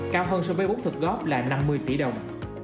cao hơn so với bốn thực góp là năm mươi tỷ đồng